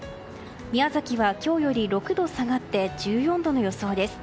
宮崎は今日より６度も下がって１４度の予想です。